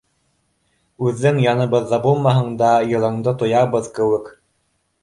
Үҙең яныбыҙҙа булмаһаң да, йылыңды тоябыҙ кеүек.